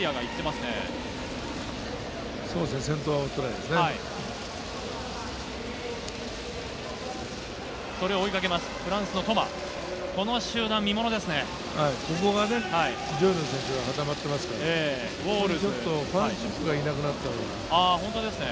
この集団、見ものですね。